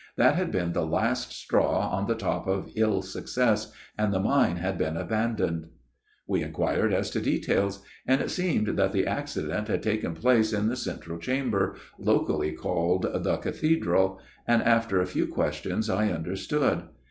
That had been the last straw on the top of ill success ; and the mine had been abandoned. " We inquired as to details : and it seemed that the accident had taken place in the central chamber, locally called ' The Cathedral '; and after a few more questions I understood.